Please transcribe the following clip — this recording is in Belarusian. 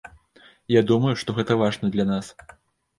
Я думаю, што гэта важна для нас.